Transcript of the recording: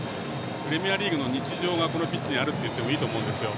プレミアリーグの日常がこのピッチにあるといってもいいと思うんですよ。